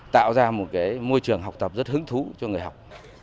tạo ra một môi trường học tập rất hứng thú cho người học